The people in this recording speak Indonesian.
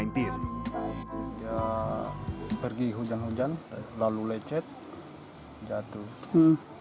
dia pergi hujan hujan lalu lecet jatuh